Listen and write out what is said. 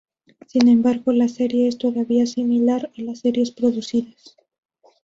Sin embargo, la serie es todavía similar a las series producidas.